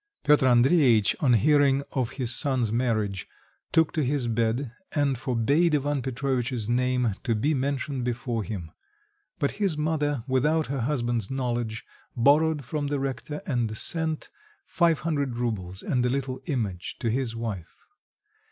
Piotr Andreitch, on hearing of his son's marriage, took to his bed, and forbade Ivan Petrovitch's name to be mentioned before him; but his mother, without her husband's knowledge, borrowed from the rector, and sent 500 roubles and a little image to his wife.